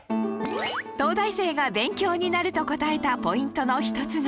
東大生が勉強になると答えたポイントの一つが